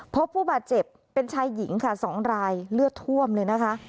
พบผู้บาดเจ็บเป็นชายหญิงค่ะ๒รายเลือดท่วมเลยนะคะ